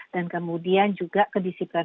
dan kemudian juga kedisiplinan